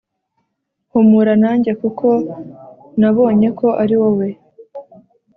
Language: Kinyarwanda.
humura nanjye kuko nabonyeko ariwowe